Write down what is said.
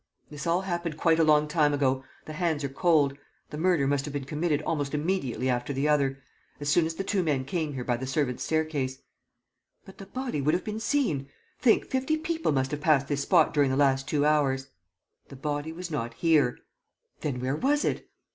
... This all happened quite a long time ago. The hands are cold. ... The murder must have been committed almost immediately after the other ... as soon as the two men came here by the servants' staircase." "But the body would have been seen! Think, fifty people must have passed this spot during the last two hours. ..." "The body was not here." "Then where was it?"